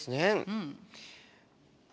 うん。